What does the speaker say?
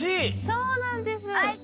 そうなんです。